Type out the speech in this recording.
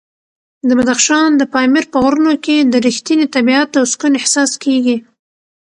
د بدخشان د پامیر په غرونو کې د رښتیني طبیعت او سکون احساس کېږي.